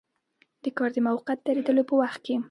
د کار د موقت دریدلو په وخت کې.